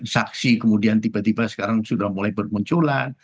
saksi kemudian tiba tiba sekarang sudah mulai bermunculan